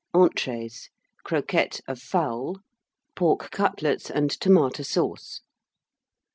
ENTREES. Croquettes of Fowl. Pork Cutlets and Tomata Sauce.